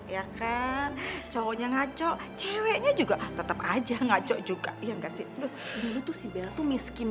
ya kan cowoknya ngaco ceweknya juga tetap aja ngaco juga yang kasih aduh dulu tuh si bella tuh miskin